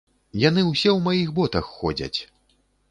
Яны ўсе ў маіх ботах ходзяць!